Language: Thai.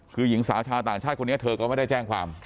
คือหญิงสาวชาวต่างชาติคนนี้เธอก็ไม่ได้แจ้งความ